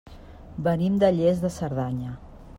Venim de Lles de Cerdanya.